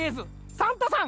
サンタさん！